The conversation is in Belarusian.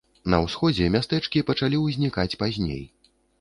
На ўсходзе мястэчкі пачалі ўзнікаць пазней.